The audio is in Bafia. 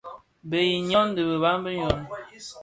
Bëug i nyôn, di biban bi nyôn.